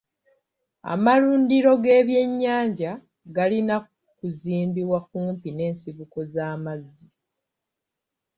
Amalundiro g'ebyennyanja galina kuzimbibwa kumpi n'ensibuko z'amazzi.